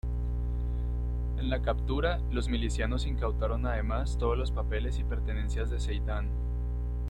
En la captura, los milicianos incautaron además todos los papeles y pertenencias de Zeidan.